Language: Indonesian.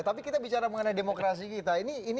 tapi kita bicara mengenai demokrasi kita